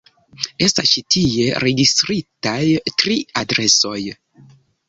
Estas ĉi tie registritaj tri adresoj.